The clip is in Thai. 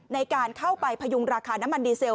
ในการเข้าไปพยุงราคาน้ำมันดีเซล